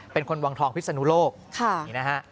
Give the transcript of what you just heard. เป็นคนวังทองพิศนุโลกนี่นะฮะ